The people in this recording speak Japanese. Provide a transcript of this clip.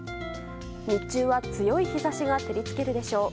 日中は強い日差しが照り付けるでしょう。